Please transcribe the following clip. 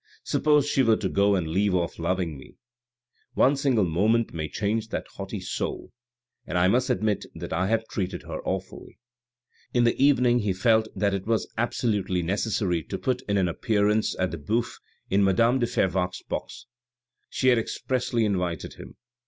"Suppose she were to go and leave off loving me ! One single moment may change that haughty soul, and I must admit that I have treated her awfully." In the evening he felt that it was absolutely necessary to put in an appearance at the Bouffes in madame de Fervaques' box. She had expressly invited him.